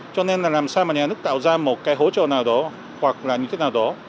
cho nên là làm sao mà nhà nước tạo ra một cái hỗ trợ nào đó hoặc là như thế nào đó